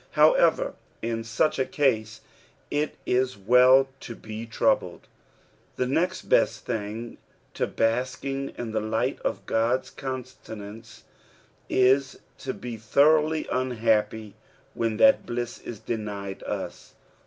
However^ in such a case, it is well to be troubled. The next best thing to bftsking in the lisht of (^od's countenance, ia to be thoroughly unhappy when that blue is denied us.